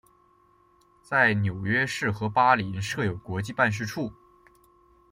在纽约市和巴林设有国际办事处。